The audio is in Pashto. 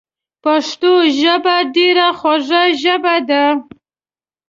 پښتو ژبه ډیره خوږه ژبه ده